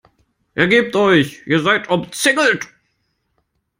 Ergebt euch, ihr seid umzingelt!